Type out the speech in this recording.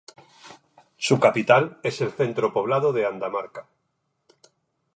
Su capital es el centro poblado de Andamarca.